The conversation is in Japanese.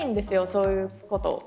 そういうこと。